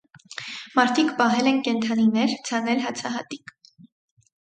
Մարդիկ պահել են կենդանիներ, ցանել հացահատիկ։